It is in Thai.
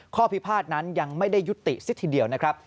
พิพาทนั้นยังไม่ได้ยุติซะทีเดียวนะครับ